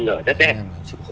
nở rất đẹp